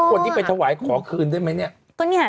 คนที่ไปถวายขอคืนได้ไหมเนี่ย